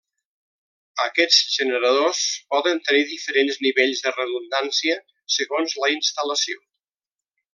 Aquests generadors poden tenir diferents nivells de redundància, segons la instal·lació.